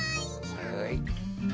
はい。